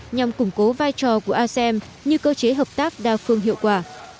nhằm củng cố vai trò của asem như cơ chế hợp tác đa phương hiệu quả